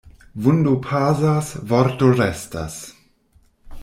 Vundo pasas, vorto restas.